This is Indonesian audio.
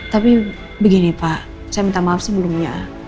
tapi begini pak saya minta maaf sebelumnya